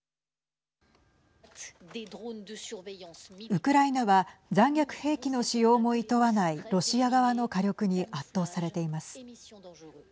ウクライナは残虐兵器の使用もいとわないロシア側の火力に圧倒されています。